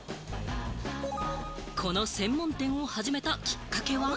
この専門店を始めたきっかけは？